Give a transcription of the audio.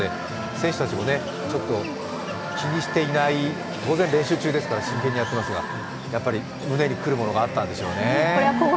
選手たちも気にしていない、当然、練習中ですから真剣にやってますが、やっぱり胸にくるものがあったんでしょうね。